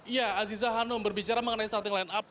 iya aziza hanum berbicara mengenai starting line up